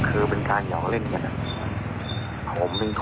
คือคือเป็นการอย่างเล่นกัน